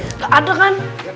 gak ada kan